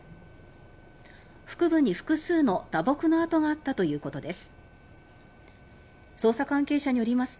腹部に複数の打撲の痕があったということです。